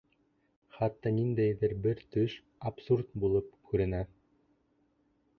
Хатта ниндәйҙер бер төш, абсурд булып күренә.